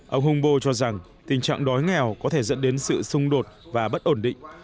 ông humbo cho rằng tình trạng đói nghèo có thể dẫn đến sự xung đột và bất ổn định